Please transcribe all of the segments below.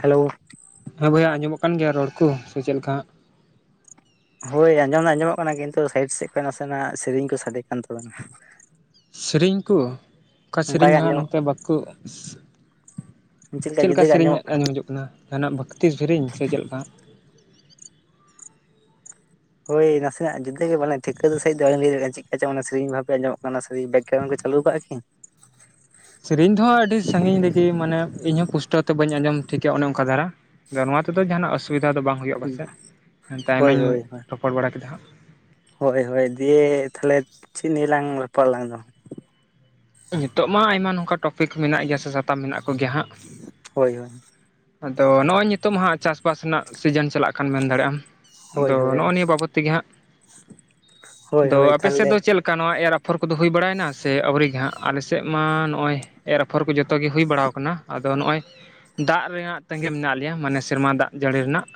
Hello ᱦᱮᱸ ᱵᱚᱭᱦᱟ ᱟᱸᱡᱚᱢᱚᱜ ᱠᱟᱱ ᱜᱮᱭᱟ ᱨᱚᱲ ᱠᱚ, ᱥᱮ ᱪᱮᱫ ᱞᱮᱠᱟᱦᱟᱜ? ᱦᱳᱭ ᱟᱸᱡᱚᱢ ᱫᱚ ᱟᱸᱡᱚᱢᱚᱜ ᱠᱟᱱᱟ ᱠᱤᱱᱛᱩ ᱥᱟᱭᱤᱰ ᱥᱮᱫ ᱠᱷᱚᱱ ᱱᱟᱥᱮᱱᱟᱜ ᱥᱮᱨᱮᱧ ᱠᱚ ᱥᱟᱰᱮ ᱠᱟᱱ ᱛᱟᱵᱮᱱᱟ ᱾ ᱥᱮᱨᱮᱧ ᱠᱚ, ᱚᱠᱟ ᱚᱱᱠᱟ ᱥᱮᱨᱮᱧ ᱜᱮ ᱢᱟᱸᱜ ᱟᱸᱡᱚᱢᱚᱜ ᱱᱚᱛᱮ ᱵᱟᱠᱚ ᱪᱮᱫ ᱞᱮᱠᱟ ᱪᱮᱫᱞᱮᱠᱟ ᱡᱩᱫᱟᱹ ᱜᱮ ᱥᱮᱨᱮᱧ ᱟᱸᱡᱚᱢᱚᱜ ᱟᱸᱡᱚᱢᱡᱚᱜ ᱠᱟᱱᱟ, ᱡᱟᱦᱟᱱᱟᱜ ᱵᱷᱠᱛᱤ ᱥᱮᱨᱮᱧ ᱥᱮ ᱪᱮᱫᱞᱮᱠᱟ? ᱦᱳᱭ ᱱᱟᱥᱮᱱᱟᱜ ᱡᱩᱫᱟᱹ ᱜᱮ ᱢᱟᱱᱮ ᱴᱷᱤᱠᱟᱹ ᱥᱟᱦᱟᱣ ᱫᱚ ᱞᱟᱹᱭ ᱫᱟᱲᱮ ᱪᱮᱫ ᱠᱟ ᱪᱚᱝ ᱥᱮᱨᱮᱧ ᱵᱷᱟᱵᱮ ᱟᱸᱡᱚᱢ ᱠᱟᱱᱟ ᱾ ᱜᱚᱝᱠᱮ ᱪᱟᱹᱩ ᱟᱠᱟᱟᱜᱼᱟ ᱠᱤᱱ, ᱥᱮᱨᱮᱧ ᱫᱚᱦᱚᱸ ᱟᱹᱰᱤ ᱥᱟᱺᱜᱤᱧ ᱨᱮᱜᱮ ᱾ ᱢᱟᱱᱮ ᱤᱧ ᱦᱚᱸᱚᱸ ᱯᱩᱥᱴᱟᱹᱣ ᱛᱮ ᱵᱟᱹᱧ ᱟᱸᱡᱚᱢ ᱴᱷᱤᱠᱭᱟ ᱚᱱᱮ ᱚᱱᱠᱟ ᱫᱷᱟᱨᱟ ᱾ ᱟᱫᱚ ᱱᱚᱣᱟ ᱛᱮᱫᱚ ᱡᱟᱦᱟᱱᱟᱜ ᱚᱥᱩᱵᱤᱫᱷᱟ ᱫᱚ ᱵᱟᱝ ᱦᱩᱭᱩᱜ ᱯᱟᱥᱮᱡ ᱮᱛᱮ ᱟᱭᱢᱟ ᱦᱳᱭ ᱦᱳᱭ ᱨᱚᱯᱚᱲ ᱵᱟᱲᱟ ᱠᱮᱫᱟ ᱦᱟᱸᱜ ᱾ ᱦᱳᱭ ᱦᱳᱭ ᱫᱤᱭᱮ ᱛᱟᱦᱚᱞᱮ ᱪᱮᱫ ᱱᱤᱭᱟᱹ ᱞᱤᱭᱟ ᱞᱟᱝ ᱨᱚᱯᱚᱲ ᱟᱠᱟᱫᱟ ᱫᱚ ᱾ ᱱᱤᱛᱳ ᱢᱟ ᱟᱭᱢᱟ ᱱᱚᱝᱠᱟ ᱴᱚᱯᱤᱠ ᱢᱮᱱᱟᱜ ᱜᱮᱭᱟ ᱥᱮ, ᱥᱟᱛᱟᱢ ᱢᱮᱱᱟᱜ ᱠᱚᱜᱮᱭᱟ ᱦᱟᱸᱜ ᱦᱳᱭ ᱦᱳᱭ ᱾ ᱟᱫᱚ ᱱᱚᱜᱼᱚᱭ ᱱᱤᱛᱳ ᱦᱟᱸᱜ ᱪᱟᱥᱵᱟᱥ ᱨᱮᱱᱟᱜ ᱥᱤᱡᱤᱱ ᱪᱟᱞᱟᱜ ᱠᱟᱱ, ᱢᱮᱱ ᱫᱟᱲᱮᱭᱟᱜᱼᱟᱢ, ᱦᱳᱭ ᱟᱫᱚ ᱦᱳᱭ ᱱᱚᱜᱼᱚ ᱱᱤᱭᱟᱹ ᱵᱟᱵᱚᱫ ᱛᱮᱜᱮ ᱦᱟᱸᱜ ᱾ ᱦᱳᱭ ᱟᱫᱚ ᱦᱳᱭ ᱟᱯᱮ ᱥᱮᱫ ᱛᱟᱦᱞᱮ ᱫᱚ ᱪᱮᱫ ᱞᱮᱠᱟ? ᱚᱱᱠᱟ ᱱᱚᱣᱟ ᱮᱨ ᱟᱯᱷᱚᱨ ᱠᱚᱫᱚ ᱦᱩᱭ ᱵᱟᱲᱟᱭᱮᱱᱟ, ᱥᱮ ᱟᱹᱣᱨᱤ ᱜᱤ ᱦᱟᱸᱜ, ᱟᱞᱮᱥᱮᱫ ᱢᱟ ᱱᱚᱜᱼᱚᱭ ᱮ ᱟᱯᱷᱚᱨ ᱠᱚ ᱡᱚᱛᱚ ᱜᱮ ᱦᱩᱭ ᱵᱟᱲᱟᱭ ᱟᱠᱟᱱᱟ ᱾ ᱟᱫᱚ ᱱᱚᱜᱼᱚᱭ ᱫᱟᱜ ᱨᱮᱭᱟᱜ ᱛᱟᱸᱜᱤ ᱢᱮᱱᱟᱜ ᱞᱮᱭᱟ, ᱢᱟᱱᱮ ᱥᱮᱨᱢᱟ ᱫᱟᱜ ᱡᱟᱹᱲᱤ ᱨᱮᱱᱟᱜ,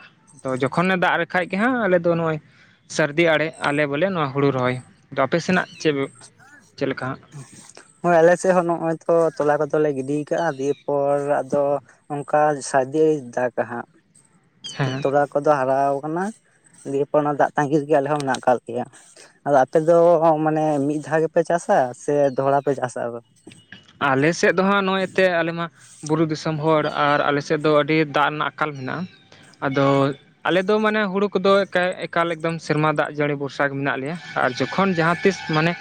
ᱛᱚ ᱡᱚᱠᱷᱚᱱ ᱫᱟᱜ ᱞᱮᱠᱷᱟᱡ ᱜᱮ ᱦᱟᱸᱜ ᱟᱞᱮ ᱫᱚ ᱱᱚᱜᱼᱚᱭ ᱥᱟᱹᱨᱫᱤ ᱟᱲᱮ ᱟᱞᱮ ᱵᱚᱞᱮ ᱱᱚᱣᱟ ᱦᱩᱲᱩ ᱨᱚᱦᱚᱭ ᱟᱯᱮ ᱥᱮᱱᱟᱜ ᱪᱮᱫ ᱪᱮᱫ ᱞᱮᱠᱟ ᱦᱟᱸᱜ [unintelligible] ᱦᱳᱭ ᱟᱞᱮᱥᱮᱫ ᱦᱚᱸ ᱱᱚᱜᱚᱭ ᱛᱚ ᱛᱚᱞᱟ ᱠᱚᱫᱚᱞᱮ ᱜᱤᱰᱤ ᱟᱠᱟᱫᱼᱟ, ᱫᱤᱭᱮ ᱯᱚᱨ ᱟᱫᱚ ᱚᱱᱠᱟ ᱥᱟᱨᱫᱤ ᱫᱟᱜ ᱦᱟᱜ, ᱦᱮᱸ ᱦᱮᱸ ᱛᱚᱲᱟ ᱠᱚᱫᱚ ᱦᱟᱨᱟ ᱟᱠᱟᱱᱟ, ᱫᱤᱭᱯᱚᱨ ᱚᱱᱟ ᱫᱟᱜ ᱛᱟᱜᱤᱜᱮ ᱟᱞᱮ ᱦᱚᱸ ᱢᱮᱱᱟᱜ ᱟᱠᱟᱫ ᱠᱮᱭᱟ ᱾ ᱟᱫᱚ ᱟᱯᱮ ᱫᱚ ᱢᱟᱱᱮ ᱢᱤᱫ ᱫᱷᱟᱣ ᱜᱮᱯᱮ ᱪᱟᱥᱟ, ᱥᱮ ᱫᱚᱦᱲᱟ ᱯᱮ ᱪᱟᱥᱟ ᱟᱫᱚ? ᱟᱞᱮ ᱥᱮᱫ ᱫᱚᱦᱟᱸᱜ ᱱᱚᱜᱼᱚᱭ ᱛᱮ ᱟᱞᱮ ᱢᱟ ᱾ ᱵᱩᱨᱩ ᱫᱤᱥᱚᱢ ᱦᱚᱲ ᱟᱨ ᱟᱞᱮᱥᱮᱫ ᱫᱚ ᱟᱹᱰᱤ ᱫᱟᱜ ᱨᱮᱱᱟᱜ ᱟᱠᱟᱞ ᱢᱮᱱᱟᱜᱼᱟ ᱾ ᱟᱫᱚ ᱟᱞᱮ ᱫᱚ ᱢᱟᱱᱮ ᱦᱩᱲᱩ ᱠᱚᱫᱚ ᱮᱠᱟᱞ ᱮᱠᱫᱚᱢ ᱥᱮᱨᱢᱟ ᱫᱟᱜ ᱡᱟᱹᱲᱤ ᱵᱚᱨᱥᱟ ᱜᱮ ᱢᱮᱱᱟᱜ ᱞᱮᱭᱟ ᱡᱚᱠᱷᱚᱱ ᱡᱟᱦᱟᱸ ᱛᱤᱥ ᱢᱟᱱᱮ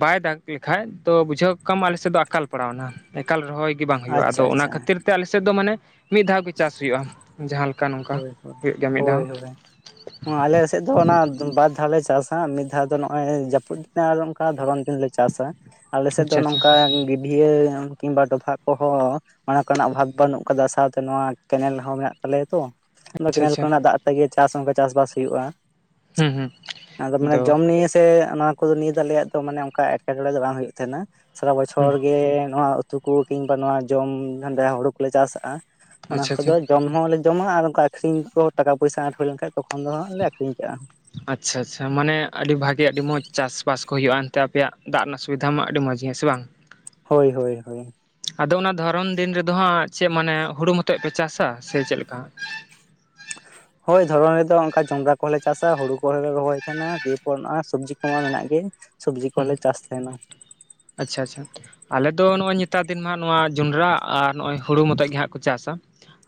ᱵᱟᱭ ᱫᱟᱜᱽ ᱞᱮᱠᱷᱟᱱᱡ ᱛᱚ ᱵᱩᱡᱷᱟᱹᱣ ᱠᱟᱜ ᱢᱮ ᱟᱞᱮ ᱥᱮᱫ ᱫᱚ ᱮᱠᱟᱞ ᱯᱟᱲᱟᱣᱱᱟ ᱮᱠᱟᱞ ᱨᱚᱦᱚᱭ ᱜᱮ ᱵᱟᱝ ᱦᱩᱭᱩᱜᱼᱟ ᱟᱪᱪᱷᱟ ᱟᱫᱚ ᱚᱱᱟ ᱟᱪᱪᱷᱟ ᱠᱷᱟᱹᱛᱤᱨ ᱛᱮ ᱟᱞᱮ ᱥᱮᱫ ᱫᱚ ᱢᱟᱱᱮ ᱢᱤᱫ ᱫᱷᱟᱣ ᱜᱮᱤ ᱪᱟᱥ ᱦᱩᱭᱩᱜᱼᱟ ᱡᱟᱦᱟᱸ ᱞᱮᱠᱟ ᱱᱚᱝᱠᱟ ᱦᱩᱭᱩᱜ ᱜᱮᱭᱟ ᱢᱤᱫ ᱫᱷᱟᱣ ᱟᱞᱮᱥᱮᱫ ᱫᱚ ᱚᱱᱟ ᱵᱟᱨ ᱫᱷᱟᱣᱞ ᱞᱮ ᱪᱟᱥᱟ ᱢᱤᱫ ᱫᱷᱟᱣ ᱫᱚ ᱱᱚᱜᱼᱚᱭ ᱡᱟᱹᱯᱩᱫ ᱫᱤᱱ ᱟᱨ ᱚᱱᱠᱟ ᱫᱷᱚᱨᱚᱱ ᱫᱤᱱ ᱞᱮ ᱪᱟᱥᱟ ᱟᱞᱮ ᱥᱮᱫ ᱫᱚ ᱟᱪᱪᱷᱟ ᱟᱪᱪᱷᱟ ᱱᱚᱝᱠᱟ ᱜᱤᱰᱤᱭᱟᱹᱟᱹ ᱠᱤᱢᱵᱟ ᱰᱚᱵᱷᱟᱜ ᱠᱚ ᱦᱚᱸ ᱚᱱᱟ ᱠᱚᱨᱮᱱᱟᱜ ᱵᱷᱟᱵᱽ ᱵᱟᱹᱱᱩᱜ ᱟᱠᱟᱫᱟ ᱥᱟᱶᱛᱮ ᱱᱚᱣᱟ ᱠᱮᱱᱮᱞ ᱦᱚᱸ ᱢᱮᱱᱟᱜ ᱛᱟᱞᱮᱭᱟ ᱛᱚ ᱟᱪᱪᱷᱟ ᱠᱮᱱᱮᱞ ᱟᱪᱪᱷᱟ ᱠᱚᱨᱮᱱᱟᱜ ᱫᱟᱜ ᱛᱮᱜᱮ ᱪᱟᱥ ᱚᱱᱠᱟ ᱪᱟᱥᱵᱟᱥ ᱦᱩᱭᱩᱜᱼᱟ ᱦᱩᱸ ᱦᱩᱸ ᱟᱫᱚ ᱢᱟᱱᱮ ᱡᱚᱢ ᱱᱤᱭ ᱥᱮ ᱚᱱᱟ ᱱᱤᱭᱟᱹ ᱫᱚ ᱟᱞᱮᱭᱟᱜ ᱫᱚ ᱢᱟᱱᱮ ᱚᱱᱠᱟ ᱮᱴᱠᱮᱴᱚᱬᱮ ᱫᱚ ᱵᱟᱝ ᱦᱩᱭᱩᱜ ᱛᱟᱦᱮᱱᱟ ᱥᱟᱨᱟ ᱦᱩᱸ ᱵᱚᱪᱷᱚᱨ ᱜᱮ ᱱᱚᱣᱟ ᱩᱛᱩ ᱦᱠᱩ ᱠᱤᱢᱵᱟ ᱱᱚᱣᱟ ᱡᱚᱢ ᱦᱰᱮ ᱦᱳᱲᱩ ᱠᱚᱞᱮ ᱪᱟᱥᱼᱟ ᱚᱱᱟ ᱟᱪᱪᱷᱟ ᱠᱚ ᱫᱚ ᱟᱪᱪᱷᱟ ᱡᱚᱢ ᱦᱚᱸᱞᱮ ᱡᱚᱢᱟ ᱟᱨ ᱚᱱᱠᱟ ᱟᱹᱷᱨᱤᱧ ᱠᱚ ᱴᱟᱠᱟ ᱯᱚᱭᱥᱟ ᱟᱸᱴ ᱦᱩᱭ ᱞᱮᱱ ᱠᱷᱟᱱ ᱛᱚᱠᱷᱚᱱ ᱫᱚ ᱦᱟᱸᱜᱮ ᱞᱮ ᱟᱹᱠᱷᱨᱤᱧ ᱠᱟᱜᱼᱟ ᱟᱪᱪᱷᱟ ᱟᱪᱪᱷᱟ ᱢᱟᱱᱮ ᱟᱹᱰᱤ ᱵᱷᱟᱜᱤ ᱟᱹᱰᱤ ᱢᱚᱸᱡᱽ ᱪᱟᱥᱵᱟᱥ ᱠᱚ ᱦ ᱦᱩᱭᱩᱜᱼᱟ ᱮᱱᱛᱮ ᱟᱯᱮᱭᱟᱜ ᱫᱟᱜ ᱨᱮᱱᱟᱜ ᱥᱩᱵᱤᱫᱷᱟ ᱢᱟ ᱟᱹᱰᱤ ᱢᱚᱸᱡᱽ ᱜᱮᱭᱟ ᱥᱮ ᱵᱟᱝ ᱦᱳᱭ ᱦᱳᱭ ᱦᱳᱭ ᱟᱫᱚ ᱚᱱᱟ ᱫᱷᱚᱨᱚᱱ ᱫᱤᱱ ᱨᱮᱫᱚ ᱦᱟᱸᱜ ᱪᱮᱫ ᱢᱟᱱᱮ ᱦᱩᱲᱳ ᱢᱚᱛᱚᱡ ᱯᱮ ᱪᱟᱥᱟ ᱥᱮ ᱪᱮᱫ ᱞᱮᱠᱟ [inaudible] ᱦᱳᱭ ᱫᱷᱚᱨᱚᱱ ᱨᱮᱫᱚ ᱚᱱᱠᱟ ᱡᱚᱱᱰᱨᱟ ᱠᱚᱦᱚᱸᱮ ᱪᱟᱥᱟ ᱦᱩᱲᱩ ᱠᱚᱦᱚᱸᱮ ᱨᱚᱦᱚᱭ ᱛᱟᱦᱮᱱᱟ ᱫᱤᱭᱮ ᱯᱚᱨ ᱥᱚᱵᱽᱡᱤ ᱠᱚᱢᱟ ᱢᱮᱱᱟᱜ ᱜᱮ ᱥᱚᱵᱡᱤ ᱦᱩᱸ ᱠᱚᱞᱮ ᱪᱟᱥ ᱛᱟᱦᱮᱱᱟ ᱟᱪᱪᱷᱟ ᱟᱪᱪᱷᱟ ᱟᱞᱮ ᱫᱚ ᱱᱚᱜᱚᱭ ᱱᱮᱛᱟᱨ ᱫᱤᱱ ᱢᱟᱜ ᱡᱚᱸᱰᱨᱟ ᱟᱨ ᱱᱚᱜᱚᱭ ᱦᱩᱲᱳ ᱢᱚᱛᱚ ᱜᱮ ᱠᱚ ᱪᱟᱥ ᱟ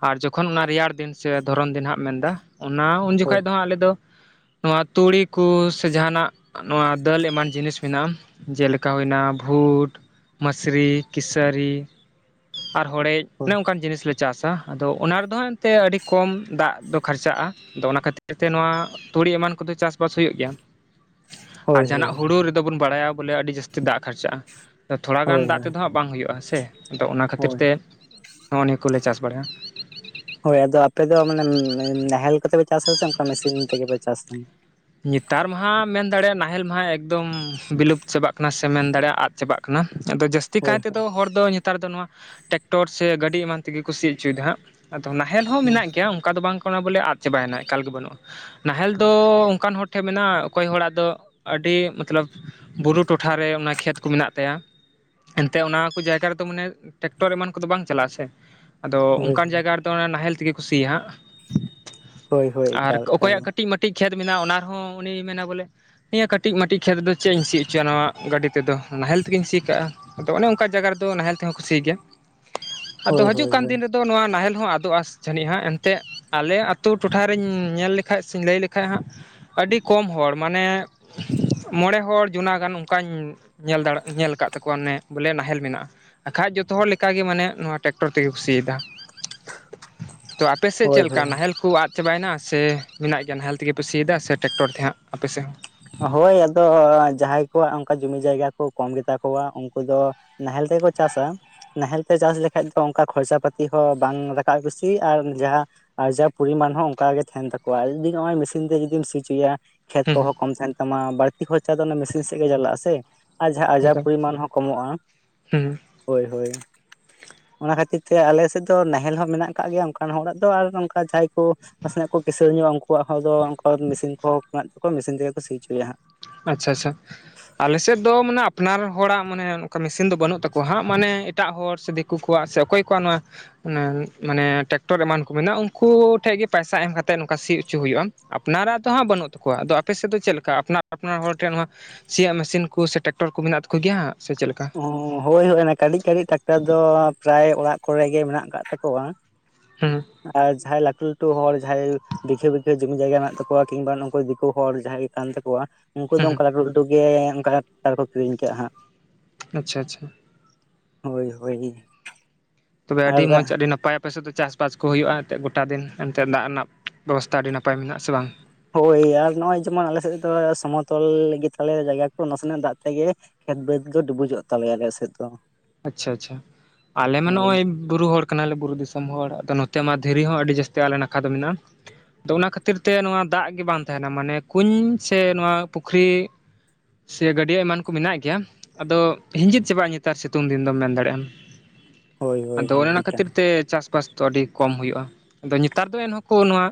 ᱟᱨ ᱡᱚᱠᱷᱚᱱ ᱚᱱᱟ ᱨᱮᱭᱟᱲ ᱫᱤᱱ ᱥᱮ ᱫᱷᱚᱨᱚᱱ ᱫᱤᱱ ᱦᱟᱸᱜ ᱢᱮᱱᱫᱟ ᱚᱱᱟ ᱩᱱ ᱦᱳᱭ ᱡᱚᱠᱷᱚᱱ ᱫᱚ ᱦᱟᱸᱜ ᱟᱞᱮᱫ ᱫᱚ ᱱᱚᱣᱟ ᱛᱩᱲᱤ ᱠᱚ ᱥᱮ ᱡᱟᱦᱱᱟᱜ ᱱᱚᱣᱟ ᱫᱟᱹᱞ ᱮᱢᱟᱱ ᱡᱤᱱᱤᱥ ᱢᱮᱱᱟᱜᱼᱟ ᱡᱮᱞᱮᱠᱟ ᱦᱩᱭᱱᱟ ᱵᱷᱩᱴ ᱢᱥᱨᱤ ᱠᱮᱥᱟᱹᱨᱤ ᱟᱨ ᱦᱚᱲᱮᱡ ᱦᱳᱭ ᱚᱱᱮ ᱚᱱᱠᱟᱱ ᱡᱤᱱᱤᱥ ᱞᱮ ᱪᱟᱥᱟ ᱟᱫᱚ ᱚᱱᱟ ᱨᱮᱫᱚ ᱦᱟᱸᱜ ᱮᱱᱛᱮᱫ ᱟᱹᱰᱤ ᱠᱚᱢ ᱫᱟᱜ ᱫᱚ ᱠᱷᱟᱨᱪᱟᱜᱼᱟ ᱟᱫᱚ ᱚᱱᱟ ᱠᱷᱟᱹᱛᱤᱨ ᱛᱮ ᱱᱚᱣᱟ ᱛᱩᱲᱤ ᱮᱢᱟᱱ ᱠᱚ ᱫᱚ ᱪᱟᱥ ᱵᱟᱥ ᱦᱩᱭᱩᱜ ᱜᱮᱭᱟ ᱦᱳᱭ ᱟᱨ ᱡᱟᱦᱟᱱᱟᱜ ᱦᱳᱭ ᱦᱩᱲᱩ ᱨᱮᱫᱚ ᱵᱚᱱ ᱵᱟᱲᱟᱭᱟ ᱵᱚᱞᱮ ᱟᱹᱰᱤ ᱡᱟᱹᱥᱛᱤ ᱫᱟᱜ ᱠᱷᱚᱨᱪᱟᱜᱼᱟ ᱛᱷᱚᱲᱟ ᱜᱟᱱ ᱦᱳᱭ ᱫᱟᱜ ᱛᱮᱫᱚ ᱦᱟᱸᱜ ᱵᱟᱝ ᱦᱩᱭᱩᱜᱼᱟ ᱥᱮ ᱟᱫᱚ ᱚᱱᱟ ᱠᱷᱟᱹᱛᱤᱨ ᱦᱳᱭ ᱛᱮ ᱱᱚᱜᱼᱚ ᱱᱤᱭᱟᱹ ᱠᱚᱞᱮ ᱪᱟᱥ ᱵᱟᱲᱟᱭᱟ ᱦᱳᱭ ᱟᱫᱚ ᱟᱯᱮ ᱫᱚ ᱢᱟᱱᱮ ᱱᱟᱦᱮᱞ ᱠᱚᱛᱮ ᱯᱮ ᱪᱟᱥᱟᱥ ᱥᱮ ᱚᱱᱠᱟ ᱢᱮᱥᱤᱱ ᱛᱮᱜᱮ ᱯᱮ ᱪᱟᱥᱟ ᱱᱮᱛᱟᱨ ᱢᱟᱦᱟ ᱢᱮᱱ ᱫᱟᱲᱮᱭᱟᱜᱼᱟ ᱱᱟᱦᱮᱞ ᱢᱟᱦᱟ ᱮᱠᱫᱚᱢ ᱵᱤᱞᱩᱯᱛ ᱪᱟᱵᱟᱜ ᱠᱟᱱᱟ ᱥᱮ ᱢᱮᱱ ᱫᱟᱲᱮᱭᱟᱜᱼᱟ ᱟᱫ ᱪᱟᱵᱟᱜ ᱠᱟᱱᱟ ᱟᱫᱚ ᱡᱟᱹᱥᱛᱤ ᱠᱟᱭ ᱦᱳᱭ ᱛᱮᱫᱚ ᱦᱚᱲ ᱫᱚ ᱱᱮᱛᱟᱨ ᱫᱚ ᱱᱚᱣᱟ ᱴᱮᱠᱴᱚᱨ ᱥᱮ ᱜᱟᱹᱰᱤ ᱮᱢᱟᱱ ᱛᱮᱜᱮ ᱠᱩ ᱥᱤ ᱚᱪᱚᱭᱮᱫᱟ ᱦᱟᱸᱜ ᱟᱫᱚ ᱱᱟᱦᱮᱞ ᱦᱚᱸ ᱦᱳᱭ ᱢᱮᱱᱟᱜ ᱜᱮᱭᱟ ᱚᱱᱠᱟ ᱫᱚ ᱵᱟᱝ ᱠᱟᱱᱟ ᱵᱚᱞᱮ ᱟᱫ ᱪᱟᱵᱟᱭᱮᱱᱟ ᱮᱠᱟᱞ ᱜᱮ ᱵᱟᱹᱱᱩᱜᱼᱟ ᱱᱟᱦᱮᱞ ᱫᱚ ᱚᱠᱟᱱ ᱦᱚᱲ ᱴᱷᱮᱱ ᱢᱮᱱᱟᱜᱼᱟ ᱚᱠᱚᱭ ᱦᱚᱲᱟᱜ ᱫᱚ ᱟᱹᱰᱤ ᱢᱚᱛᱞᱚᱵ ᱵᱩᱨᱩ ᱴᱚᱴᱷᱟᱨᱮ ᱚᱱᱟ ᱠᱷᱮᱛ ᱠᱚ ᱢᱮᱱᱟᱜ ᱛᱟᱭᱟ ᱮᱱᱛᱮᱮᱫ ᱚᱱᱟ ᱠᱚ ᱡᱟᱭᱜᱟ ᱨᱮᱫᱚ ᱢᱟᱱᱮ ᱴᱮᱠᱴᱚᱨ ᱮᱢᱟᱱ ᱠᱚ ᱫᱚ ᱵᱟᱝ ᱪᱟᱞᱟᱜᱼᱟ ᱥᱮ ᱟᱫᱚ ᱦᱳᱭ ᱚᱱᱠᱟᱱ ᱡᱟᱭᱜᱟ ᱨᱮ ᱫᱚ ᱱᱟᱦᱮᱞ ᱛᱮᱜᱮ ᱠᱚ ᱥᱤᱭᱟᱜᱼᱟ ᱦᱳᱭ ᱦᱳᱭ ᱦᱟᱸᱜ ᱟᱨ ᱮᱠᱟᱞ ᱮᱠᱟᱞ ᱚᱠᱚᱭᱟᱜ ᱠᱟᱹᱴᱤᱡᱼ ᱢᱟᱹᱴᱤᱡ ᱠᱷᱮᱛ ᱢᱮᱱᱟᱜᱼᱟ ᱚᱱᱟ ᱨᱮᱦᱚᱸ ᱩᱱᱤ ᱢᱮᱱᱟ ᱵᱚᱞᱮ ᱱᱤᱭᱟᱹ ᱠᱟᱹᱴᱤᱡ ᱢᱟᱹᱴᱤᱡ ᱠᱷᱮᱛ ᱫᱚ ᱪᱮᱫ ᱤᱧ ᱥᱤ ᱚᱪᱚᱭᱟ ᱱᱚᱣᱟ ᱜᱟᱹᱰᱤ ᱛᱮᱫᱚ ᱱᱟᱦᱮᱞ ᱛᱮᱜᱮᱧ ᱥᱤ ᱠᱟᱜᱼᱟ ᱟᱫᱚ ᱚᱱᱮ ᱚᱱᱠᱟ ᱡᱟᱭᱜᱟ ᱨᱮᱫᱚ ᱱᱟᱦᱮᱞ ᱛᱮᱦᱚᱸ ᱠᱚ ᱥᱤᱭ ᱜᱮᱭᱟ [inaudible] ᱟᱫᱚ ᱦᱤᱡᱩᱜ ᱠᱟᱱ ᱦᱳᱭ ᱫᱤᱱ ᱨᱮᱫᱚ ᱟ ᱫᱚ ᱱᱚᱣᱟ ᱱᱟᱦᱮᱞ ᱦᱚᱸ ᱟᱫᱚᱜᱼᱟᱥ ᱡᱷᱟᱹᱱᱤᱡ ᱦᱜ ᱮᱱᱛᱜ ᱟᱞᱮ ᱟᱛᱳ ᱴᱚᱴᱷᱟᱨ ᱨᱤᱧ ᱧᱮᱞ ᱞᱮᱠᱷᱟᱡ ᱥᱮ ᱞᱟᱹᱭ ᱞᱮᱠᱷᱟᱱ ᱵᱟ ᱠᱷᱟᱱᱡ ᱦᱟᱸᱜ ᱟᱹᱰᱤ ᱠᱚᱢ ᱦᱚᱲ ᱢᱟᱱᱮ ᱢᱚᱬᱮ ᱦᱚᱲ ᱡᱩᱱᱟ ᱜᱟᱱ ᱚᱱᱠᱟᱧ ᱧᱮᱞ ᱫᱟᱲᱮ ᱧᱮᱞ ᱟᱠᱟᱫ ᱛᱟᱠᱚᱣᱟ ᱚᱱᱮ ᱵᱚᱞᱮ ᱱᱟᱦᱮᱞ ᱢᱮᱱᱟᱜᱼᱟ ᱮᱟᱠᱷᱟᱡ ᱡᱚᱛᱚ ᱦᱚᱲ ᱞᱮᱠᱟ ᱜᱮ ᱢᱟᱱᱮ ᱱᱚᱣᱟ ᱴᱨᱟᱠᱴᱚᱨ ᱛᱮᱜᱮ ᱠᱚ ᱥᱤ ᱫᱟ ᱛᱚ ᱟᱯᱮ ᱥᱮᱫ ᱦᱳᱭ ᱪᱮᱫᱞᱮᱠᱟ ᱦᱳᱭ ᱱᱟᱦᱮᱞ ᱠᱚ ᱟᱫ ᱪᱟᱵᱟᱭᱮᱱᱟ ᱥᱮ ᱢᱮᱱᱟᱜ ᱜᱮᱭᱟ ᱱᱟᱦᱮᱞ ᱛᱮᱜᱮ ᱯᱮ ᱥᱤᱭᱮᱫᱟ ᱥᱮ ᱴᱨᱟᱠᱴᱚᱨ ᱛᱮ ᱦᱟᱸᱟᱜ ᱟᱯᱮᱥᱮᱫ ᱦᱚᱸ ᱦᱳᱭ ᱟᱫᱚ ᱡᱟᱦᱟᱸᱭ ᱠᱚᱣᱟᱜ ᱚᱱᱠᱟ ᱡᱩᱚᱢᱤ ᱡᱟᱭᱜᱟ ᱠᱚ ᱠᱚᱢ ᱜᱮᱛᱟ ᱠᱚᱣᱟ ᱩᱱᱠᱩ ᱫᱚ ᱱᱟᱦᱮᱞ ᱛᱮᱜᱮ ᱠᱚ ᱪᱟᱥᱟ ᱱᱟᱦᱮᱞ ᱛᱮ ᱪᱟᱥ ᱞᱮᱠᱟᱱᱡ ᱫᱚ ᱚᱱᱠᱟ ᱠᱷᱚᱨᱪᱟ ᱯᱟᱟᱛᱤ ᱦᱚᱸ ᱵᱟᱝ ᱨᱟᱠᱟᱵ ᱠᱩᱤᱥ ᱟᱨ ᱡᱟᱦᱟᱸ ᱟᱨ ᱡᱟ ᱯᱚᱨᱤᱢᱟᱱ ᱦᱚᱸ ᱚᱱᱠᱟᱜ ᱜᱮ ᱛᱟᱦᱮᱱ ᱛᱟᱠᱚᱣᱟ ᱟᱨ ᱡᱤ ᱱᱚᱜ ᱢᱮᱥᱤᱱ ᱛᱮ ᱡᱩᱫᱤᱢ ᱥᱤ ᱦᱚᱪᱚᱭᱟ ᱠᱷᱮᱛ ᱦᱚᱸ ᱦᱩᱸ ᱠᱚᱦᱚᱸ ᱠᱚᱢ ᱛᱟᱦᱮᱱ ᱛᱟᱢᱟ ᱵᱟᱹᱲᱛᱤ ᱠᱷᱚᱨᱪᱟ ᱫᱚ ᱚᱱᱟ ᱢᱮᱥᱤᱱ ᱥᱮᱫ ᱜᱮ ᱪᱟᱞᱟᱜᱼᱟ ᱥᱮ ᱟᱨ ᱡᱟᱦᱟ ᱦᱩᱸ ᱟᱡᱟᱨ ᱟᱪᱪᱷᱟ ᱯᱚᱨᱤᱢᱟᱱ ᱦᱚᱸ ᱠᱚᱢᱚᱜᱼᱟ ᱦᱩᱸ ᱦᱳᱭ ᱦᱳᱭ᱾ ᱚᱱᱟ ᱠᱷᱟᱹᱛᱤᱨ ᱛᱮ ᱟᱞᱮ ᱥᱮᱫ ᱫᱚ ᱱᱟᱦᱮᱞ ᱦᱚᱸ ᱢᱮᱱᱟᱜ ᱟᱠᱟᱜ ᱜᱮᱭᱟ ᱚᱱᱠᱟᱱ ᱦᱚᱲᱟᱜ ᱫᱚ ᱟᱨ ᱚᱱᱠᱟ ᱡᱟᱦᱟᱸᱭ ᱠᱚ᱾ ᱱᱟᱥᱮᱱᱟᱜ ᱠᱚ ᱠᱤᱥᱟᱹᱬ ᱧᱚᱜᱼᱟ ᱩᱱᱠᱩᱣᱟᱜ ᱦᱚᱸ ᱟᱫᱚ ᱢᱮᱥᱤᱱ ᱠᱚᱦᱚ ᱢᱮᱱᱟᱜ ᱛᱚᱠᱚᱭᱟ ᱢᱮᱥᱤᱱ ᱛᱮᱜᱮ ᱠᱚ ᱥᱤ ᱚᱪᱚᱭᱟ ᱦᱟᱸᱜ᱾ ᱟᱪᱷᱟ ᱟᱪᱷᱟ᱾ ᱟᱞᱮᱥᱮᱫ ᱫᱚ ᱢᱟᱱᱮ ᱟᱯᱱᱟᱨ ᱦᱚᱲᱟᱜ ᱢᱟᱱᱮ ᱚᱱᱠᱟ ᱢᱮᱥᱤᱱ ᱫᱚ ᱵᱟᱹᱱᱩᱜ ᱛᱟᱠᱚᱣᱟ ᱦᱟᱸᱜ ᱢᱟᱱᱮ ᱮᱴᱟᱜ ᱦᱚᱲ ᱥᱮ ᱫᱤ᱾ ᱠᱩᱭᱟ ᱠᱚᱣᱟᱜ ᱥᱮ ᱚᱠᱚᱭ ᱠᱚᱣᱟᱜ ᱱᱚᱣᱟ᱾ ᱢᱟᱱᱮ ᱴᱮᱠᱴᱚᱨ ᱮᱢᱟᱱ ᱠᱚ ᱢᱮᱱᱟᱜᱼᱟ ᱩᱱᱠᱩ ᱴᱷᱮᱱ ᱜᱮ ᱯᱟᱹᱭᱥᱟ ᱮᱢ ᱠᱟᱛᱮ ᱱᱚᱝᱠᱟ ᱥᱤ ᱚᱪᱚ ᱦᱩᱭᱩᱜᱼᱟ᱾ ᱟᱯᱱᱟᱨᱟᱜ ᱫᱚ ᱦᱟᱸᱜ ᱵᱟᱹᱱᱩᱜ ᱛᱟᱠᱚᱣᱟ ᱟᱫᱚ ᱟᱯᱮ ᱥᱮᱫ ᱫᱚ ᱪᱮᱫ ᱞᱮᱠᱟ ᱟᱯᱱᱟᱨ? ᱟᱯᱱᱟᱨ ᱦᱚᱲ ᱴᱷᱮᱱ ᱱᱚᱣᱟ ᱥᱮᱭᱟᱜ ᱢᱮᱥᱤᱱ ᱠᱚ ᱥᱮ ᱴᱟᱠᱴᱚᱨ ᱠᱚ ᱢᱮᱱᱟᱜ ᱛᱟᱠᱚ ᱜᱮᱭᱟ ᱥᱮ ᱪᱮᱞᱠᱟ? ᱦᱳᱭ ᱦᱳᱭ ᱚᱱᱟ ᱠᱟᱹᱴᱤᱡ ᱠᱟᱹᱴᱤᱡ ᱴᱟᱠᱴᱟᱨ ᱫᱚ ᱯᱮᱨᱟᱭ ᱚᱲᱟᱜ ᱠᱚᱨᱮ ᱜᱮ ᱢᱮᱱᱟᱜ ᱠᱟᱜ ᱛᱟᱠᱚᱣᱟ᱾ [inaudible] ᱟᱨ ᱡᱟᱦᱟᱭ ᱞᱟᱹᱴᱩ ᱞᱟᱹᱴᱩ ᱦᱚᱲ ᱡᱟᱦᱟᱭ᱾ ᱵᱤᱜᱷᱮ ᱵᱤᱜᱷᱮ ᱡᱩᱚᱢᱤ ᱡᱟᱭᱜᱟ ᱢᱮᱱᱟᱜᱮ ᱛᱟᱠᱚᱣᱟ ᱠᱤᱱᱵᱟ ᱱᱩᱠᱩ ᱫᱤᱠᱩ ᱦᱚᱲ ᱡᱟᱦᱟᱸᱭ ᱜᱮ ᱠᱟᱱ ᱛᱟᱠᱚᱣᱟ ᱩᱱᱠᱩ ᱫᱚ ᱦᱩᱸ ᱚᱱᱠᱟ ᱞᱟᱹᱴᱩ ᱞᱟᱹᱴᱩ ᱜᱮ ᱚᱱᱠᱟ ᱴᱟᱠᱴᱟᱨ ᱨᱮᱠᱚ ᱠᱤᱨᱤᱧ ᱠᱟᱜᱼᱟ ᱦᱟᱸᱜ ᱟᱪᱪᱷᱟ ᱟᱪᱪᱷᱟ ᱦᱳᱭ ᱦᱳᱭ ᱛᱚᱵᱮ ᱟᱨ ᱟᱹᱰᱤ ᱢᱚᱡ ᱟᱹᱰᱤ ᱱᱟᱯᱟᱭ᱾ ᱟᱯᱮᱥᱮᱫ ᱫᱚ ᱪᱟᱥ ᱵᱟᱥ ᱠᱚ ᱦᱩᱭᱩᱜᱼᱟ ᱮᱱᱛᱮᱫ ᱜᱚᱴᱟ ᱫᱤᱱ ᱮᱱᱛᱮᱫ ᱫᱟᱜ ᱨᱮᱱᱟᱜ ᱵᱮᱵᱚᱥᱛᱟ ᱟᱹᱰᱤ ᱱᱟᱯᱟᱭ ᱢᱮᱱᱟᱜᱼᱟ ᱥᱮ ᱵᱟᱝ? ᱦᱳᱭ ᱟᱨ ᱱᱚᱜᱼᱚᱭ ᱡᱮᱢᱚᱱ ᱟᱞᱮ ᱥᱮᱫ ᱫᱚ ᱥᱚᱢᱚᱛᱚᱞ ᱜᱮᱛᱟᱞᱮᱭᱟ ᱡᱟᱭᱜᱟ ᱠᱚ ᱱᱟᱥᱮᱱᱟᱜ ᱫᱟᱜ ᱛᱮᱜᱮ᱾ ᱠᱷᱮᱛ ᱵᱟᱹᱫᱽ ᱫᱚ ᱰᱩᱵᱩᱡᱚᱜ ᱛᱟᱞᱮᱭᱟ ᱟᱞᱮ ᱥᱮᱫ ᱫᱚ᱾ ᱟᱪᱷᱟ ᱟᱪᱷᱟ ᱟᱞᱮ ᱢᱟ ᱦᱳᱭ ᱱᱚᱜᱼᱚᱭ᱾ ᱵᱩᱨᱩ ᱦᱚᱲ ᱠᱟᱱᱟᱞᱮ ᱵᱩᱨᱩ ᱫᱤᱥᱚᱢ ᱦᱚᱲ ᱟᱫᱚ ᱱᱚᱛᱮ ᱢᱟ ᱫᱷᱤᱨᱤ ᱦᱚᱸ ᱟᱹᱰᱤ ᱡᱟᱹᱥᱛᱤ ᱟᱞᱮ ᱱᱟᱠᱷᱟ ᱫᱚ ᱢᱮᱱᱟᱜᱼᱟ᱾ ᱟᱫᱚ ᱚᱱᱟ ᱠᱷᱟᱹᱛᱤᱨ ᱛᱮ ᱱᱚᱣᱟ ᱫᱟᱜ ᱜᱮ ᱵᱟᱝ ᱛᱟᱦᱮᱱᱟ ᱢᱟᱱᱮ ᱠᱩᱧ ᱥᱮ ᱱᱚᱣᱟ ᱯᱩᱠᱷᱨᱤ᱾ ᱥᱮ ᱜᱟᱹᱰᱭᱟᱹ ᱮᱢᱟᱱ ᱠᱚ ᱢᱮᱱᱟᱜ ᱜᱮᱭᱟ ᱟᱫᱚ ᱦᱤᱸᱡᱤᱫ ᱪᱟᱵᱟᱜᱼᱟ ᱱᱮᱛᱟᱨ ᱥᱤ--᱾ ᱥᱤᱛᱩᱝ ᱫᱤᱱ ᱫᱚᱢ ᱢᱮᱱ ᱫᱟᱲᱮᱭᱟᱜᱼᱟ ᱦᱳᱭ ᱦᱳᱭ ᱟᱫᱚ ᱦᱳᱭ ᱚᱱᱮ ᱚᱱᱟ ᱮᱠᱟᱞ ᱠᱷᱟᱹᱛᱤᱨ ᱛᱮ ᱪᱟᱥ ᱵᱟᱥ᱾ ᱛᱚ ᱟᱹᱰᱤ ᱠᱚᱢ ᱦᱩᱭᱩᱜᱼᱟ ᱟᱫᱚ ᱱᱮᱛᱟᱨ ᱫᱚ ᱮᱱᱦᱚᱸ ᱠᱚ ᱱᱚᱣᱟ᱾